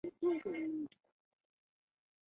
这将产生其能够持续至最后一口的乳脂状泡沫。